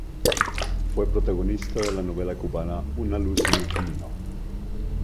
Fue protagonista de la novela cubana "Una luz en el camino".